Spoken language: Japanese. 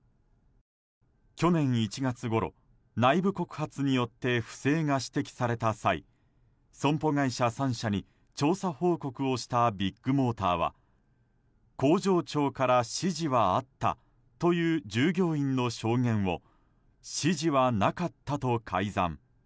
去年１月ごろ、内部告発によって不正が指摘された際損保会社３社に調査報告をしたビッグモーターは工場長から指示はあったという従業員の証言を指示はなかったと改ざん。